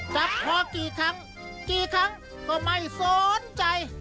จับคอกี่ครั้งกี่ครั้งก็ไม่สนใจ